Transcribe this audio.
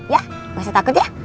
ya gak usah takut ya